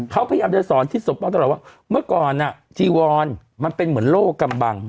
เขาพยายามจะสอนทิศสมปองตลอดว่าเมื่อก่อนจีวอนมันเป็นเหมือนโลกกำบัง